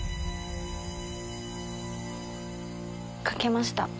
書けました。